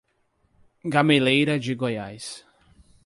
Gameleira de Goiás